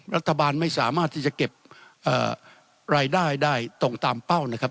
รัฐบาลไม่สามารถที่จะเก็บรายได้ได้ตรงตามเป้านะครับ